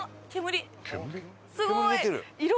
すごい！